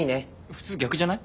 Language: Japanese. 普通逆じゃない？